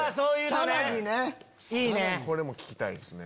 さらにね。これも聞きたいですね。